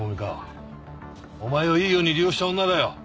お前をいいように利用した女だよ。